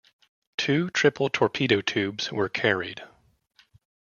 Two triple torpedo tubes were carried.